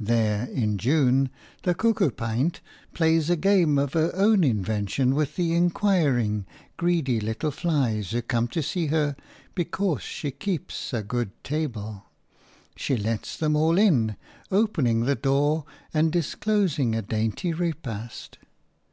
There in June the cuckoo pint plays a game of her own invention with the inquiring, greedy little flies who come to see her because she keeps a good table. She lets them all in, opening the door and disclosing a dainty repast.